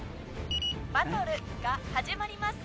バトルが始まります。